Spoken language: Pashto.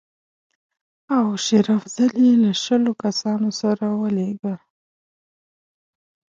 او شېر افضل یې له شلو کسانو سره ولېږه.